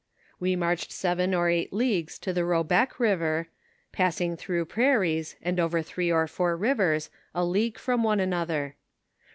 Wo marched seven or eight leagues to Hobec river, passing through prairies, and over three or four rivers, a league from one another.